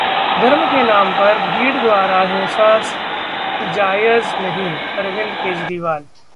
धर्म के नाम पर भीड़ द्वारा हिंसा जायज नहीं: अरविंद केजरीवाल